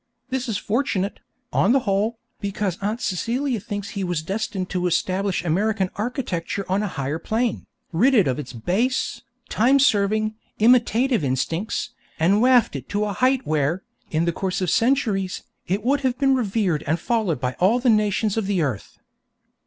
This is fortunate, on the whole, because Aunt Celia thinks he was destined to establish American architecture on a higher plane, rid it of its base, time serving, imitative instincts, and waft it to a height where, in the course of centuries, it would have been revered and followed by all the nations of the earth.